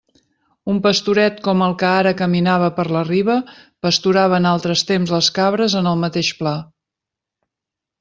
Un pastoret com el que ara caminava per la riba pasturava en altres temps les cabres en el mateix pla.